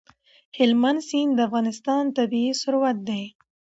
هلمند سیند د افغانستان طبعي ثروت دی.